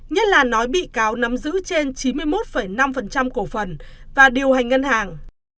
nhất là nói bị cáo nắm giữ trên chín mươi một năm cổ phần và điều hành ngân hàng